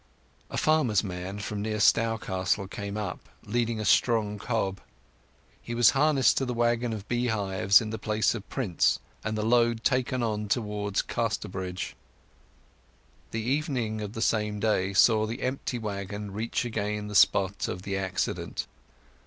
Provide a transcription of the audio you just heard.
A farmer's man from near Stourcastle came up, leading a strong cob. He was harnessed to the waggon of beehives in the place of Prince, and the load taken on towards Casterbridge. The evening of the same day saw the empty waggon reach again the spot of the accident.